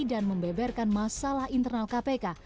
dan membeberkan masalah internal kpk